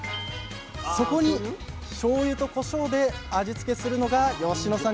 そこにしょうゆとこしょうで味付けするのが吉野さん